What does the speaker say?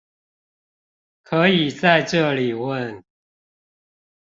可以在這裡問